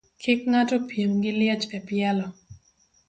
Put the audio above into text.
Kik ng'ato piem gi liech e pielo.